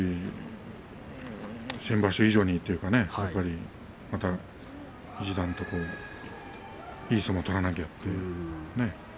先場所以上にというかねまた一段といい相撲を取らなきゃというね。